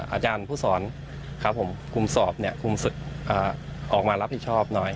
อาจารย์ผู้สอนครับผมคุมสอบเนี่ยคุมออกมารับผิดชอบหน่อย